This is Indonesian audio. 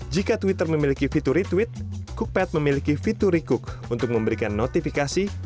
jika twitter memiliki fitur retweet cookpad memiliki fitur recook untuk memberikan notifikasi